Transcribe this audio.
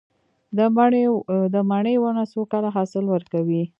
د مڼې ونه څو کاله حاصل ورکوي؟